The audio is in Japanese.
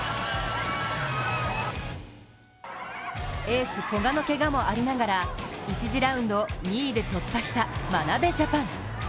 エース・古賀のけがもありながら１次ラウンドを２位で突破した眞鍋ジャパン。